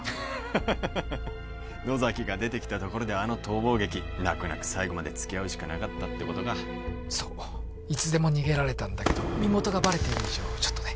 ハハハハ野崎が出てきたところであの逃亡劇泣く泣く最後までつきあうしかなかったってことかそういつでも逃げられたんだけど身元がバレている以上ちょっとね